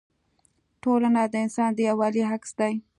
ټولنه د انسان د یووالي عکس دی.